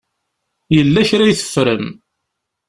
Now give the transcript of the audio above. Yella kra i teffrem.